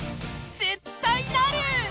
絶対なる！